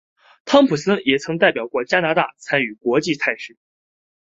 汤普森也曾代表过加拿大参与国际赛事。